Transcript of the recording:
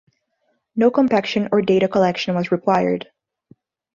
No compaction or data collection was required.